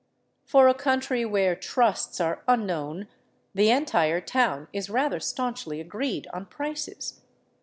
For a country where " trusts " are unknown the entire town is rather staunchly agreed on prices.